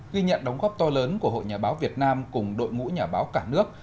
ghi nhận đóng góp to lớn của hội nhà báo việt nam cùng đội ngũ nhà báo cả nước